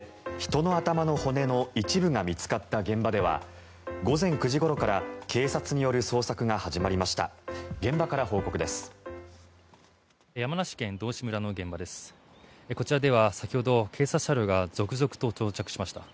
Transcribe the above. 山梨県道志村で人の頭の骨の一部が見つかった現場では午前９時ごろから警察による捜索が始まりました。